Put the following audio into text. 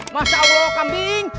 masya allah kambing